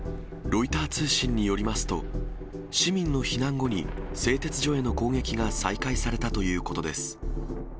ロイター通信によりますと、市民の避難後に、製鉄所への攻撃が再開されたということです。